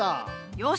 よし！